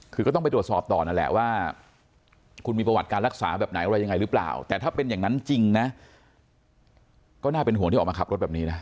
คือก็ต้องไปตรวจสอบต่อนั่นแหละว่าคุณมีประวัติการรักษาแบบไหนอะไรยังไงหรือเปล่าแต่ถ้าเป็นอย่างนั้นจริงนะก็น่าเป็นห่วงที่ออกมาขับรถแบบนี้นะ